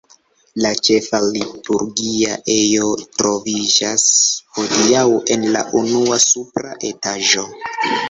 La ĉefa liturgia ejo troviĝas hodiaŭ en la unua supra etaĝo.